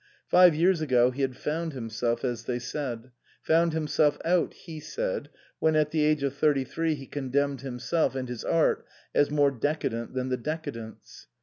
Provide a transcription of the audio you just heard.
Five years ago he had found himself, as they said ; found himself out, he said, when at the age of thirty three he condemned himself and his art as more decadent than the decadents.